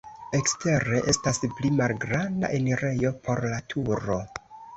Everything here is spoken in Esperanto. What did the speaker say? Ekstere estas pli malgranda enirejo por la turo.